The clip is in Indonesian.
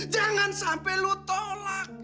jangan sampai lo tolak